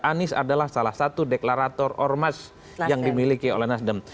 anies adalah salah satu deklarator ormas yang dimiliki oleh nasdem